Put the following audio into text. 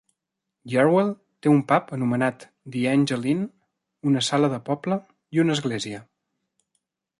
Yarwell té un pub anomenat The Angel Inn, una sala de poble i una església.